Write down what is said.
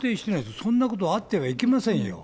そんなことあってはいけませんよ。